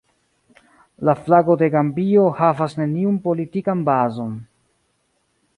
La flago de Gambio havas neniun politikan bazon.